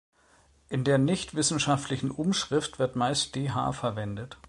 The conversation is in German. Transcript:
In der nichtwissenschaftlichen Umschrift wird meist „dh“ verwendet.